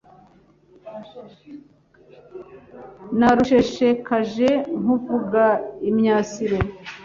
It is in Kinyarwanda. Narusheshekaje nkuvuga imyasiro